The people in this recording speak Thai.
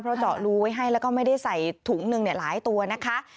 เพราะเจาะรูไว้ให้แล้วก็ไม่ได้ใส่ถุงหนึ่งหลายตัวนะคะ